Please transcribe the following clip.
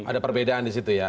ada perbedaan di situ ya